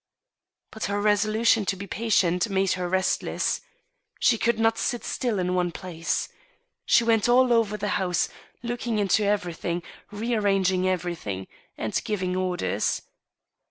But her resolution to be patient made her restless. She could not sit still in one place. She went all over the house, looking into everything, rearranging everything, and giving orders.